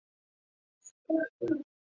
对列车运行进行集中控制。